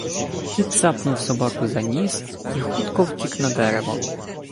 Кіт цапнув собаку за ніс і хутко втік на дерево